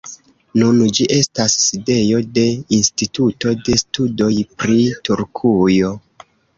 Nun ĝi estas sidejo de instituto de studoj pri Turkujo.